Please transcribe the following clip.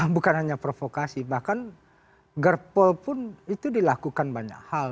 bukan hanya provokasi bahkan gerpol pun itu dilakukan banyak hal